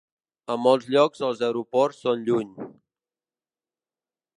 A molts llocs els aeroports són lluny.